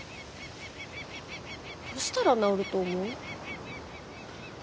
どうしたら直ると思う？